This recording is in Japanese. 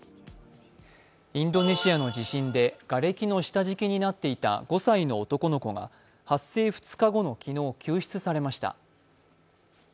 インドネシアの地震でがれきの下敷きになっていた５歳の男の子が発生２日後の昨日、救出されました。